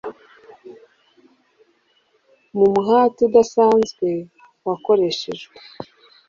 Mu muhati udasanzwe wakoreshejwe